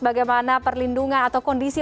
bagaimana perlindungan atau kondisi